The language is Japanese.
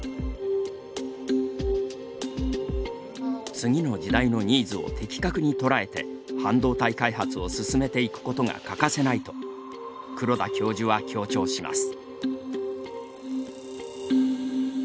次の時代のニーズを的確に捉えて半導体開発を進めていくことが欠かせないと黒田教授は強調します。